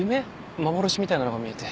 幻みたいなのが見えて。